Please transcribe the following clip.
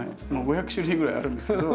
５００種類ぐらいあるんですけど